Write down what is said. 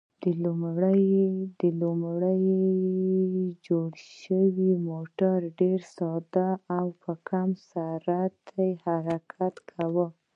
لومړی جوړ شوی موټر ډېر ساده و او په کم سرعت یې حرکت کاوه.